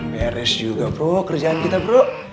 beres juga pro kerjaan kita bro